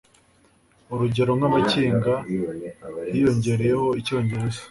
urugero nk'abakiga hiyongereyeho Icyongereza